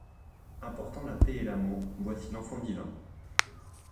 Apportant la paix et l'amour, voici l'Enfant divin.